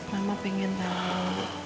mama pengen tau